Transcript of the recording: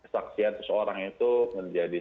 saksian seseorang itu menjadi